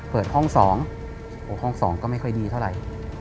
เปิดห้อง๒ห้อง๒ก็ไม่ค่อยดีเท่าไหร่